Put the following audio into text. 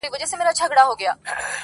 ادب کي دا کيسه ژوندۍ ده،